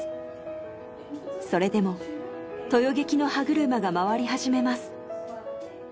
それでも豊劇の歯車が回り始めます。